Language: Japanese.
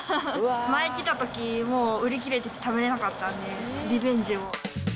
前来たとき、もう売り切れてて食べられなかったんで、リベンジを。